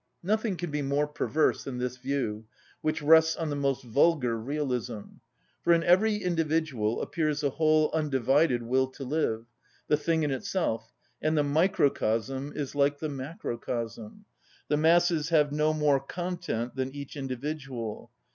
Nothing can be more perverse than this view, which rests on the most vulgar realism. For in every individual appears the whole undivided will to live, the thing in itself, and the microcosm is like the macrocosm. The masses have no more content than each individual.